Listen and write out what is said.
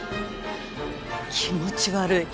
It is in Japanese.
気持ち悪い。